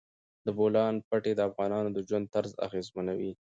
د بولان پټي د افغانانو د ژوند طرز اغېزمنوي.